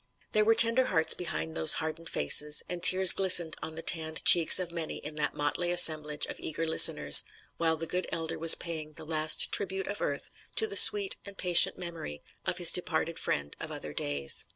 There were tender hearts behind those hardened faces, and tears glistened on the tanned cheeks of many in that motley assemblage of eager listeners, while the good elder was paying the last tribute of earth to the sweet and patient memory of his departed friend of other days.